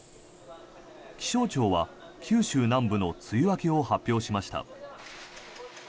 気象庁は九州南部の梅雨明けを発表しました。